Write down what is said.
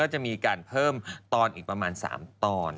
จะมีการเพิ่มตอนอีกประมาณ๓ตอน